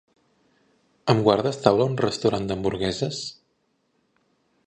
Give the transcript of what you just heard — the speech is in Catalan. Em guardes taula a un restaurant d'hamburgueses?